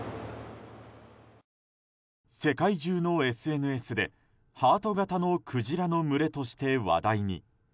世界中のＳＮＳで、ハート形のクジラの群れとして話題に。